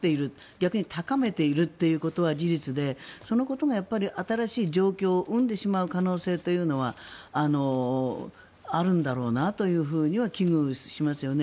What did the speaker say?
逆に高めていることは事実でそのことが新しい状況を生んでしまう可能性というのはあるんだろうなというふうには危惧しますよね。